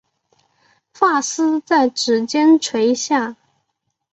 发丝在指间垂下